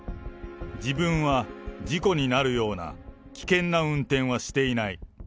自分は事故になるような危険な運転はしていない。